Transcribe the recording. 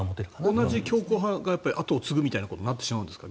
同じ強硬派が後を継ぐということになってしまうんですか？